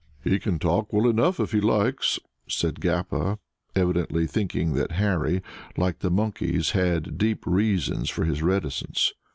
"He can talk well enough if he likes," said Gappa, evidently thinking that Harry, like the monkeys, had deep reasons for his reticence.